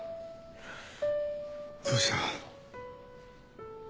どうした？